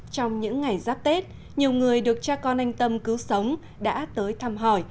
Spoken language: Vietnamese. trong những ngày giáp tết nhiều người được cha con anh tâm cứu sống đã tới thăm hỏi